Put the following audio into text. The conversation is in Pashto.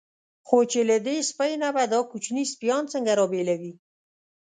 خو چې له دې سپۍ نه به دا کوچني سپیان څنګه را بېلوي.